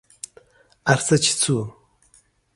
ارڅه چې څو